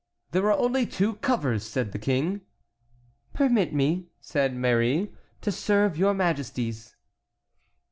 "There are only two covers!" said the King. "Permit me," said Marie, "to serve your majesties."